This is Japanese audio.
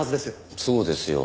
そうですよ。